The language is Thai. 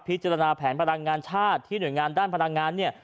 แผนพลังงานชาติที่หน่วยงานด้านพลังงานเนี่ย